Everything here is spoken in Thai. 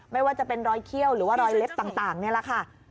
ไม่ว่าจะเป็นรอยเขี้ยวหรือว่ารอยเล็บต่างนี่แหละค่ะ